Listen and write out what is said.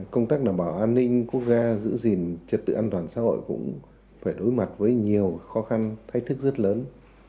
công tác đảm bảo an ninh quốc gia giữ gìn trật tự an toàn xã hội cũng phải đối mặt với nhiều khó khăn thách thức rất lớn